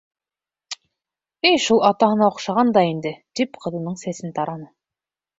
Эй, шул атаһына оҡшаған да инде, тип ҡыҙының сәсен тараны.